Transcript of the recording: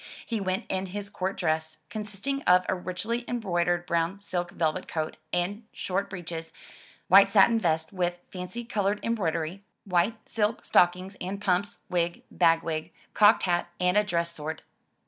He went in his court dress, consisting of a richly embroidered brown silk velvet coat and shortbreeches, white satin vest with fancy colored embroidery, white silk stock ings and pumps, wig, bagwig, cocked hat and a dress sword.